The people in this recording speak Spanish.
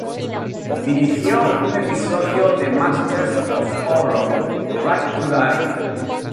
Dirigió un episodio de "Masters of Horror", "Right to Die".